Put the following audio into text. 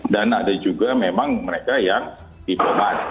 dan ada juga memang mereka yang dipeman